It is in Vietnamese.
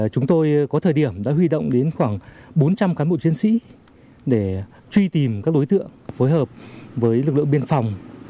chúng tôi có thời điểm đã huy động đến khoảng bốn trăm linh cán bộ chiến sĩ để truy tìm các đối tượng phối hợp với lực lượng biên phòng